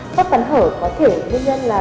khớp cắn hở có thể nguyên nhân là